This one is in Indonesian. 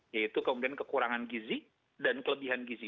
yaitu kemudian kekurangan gizi dan kelebihan gizi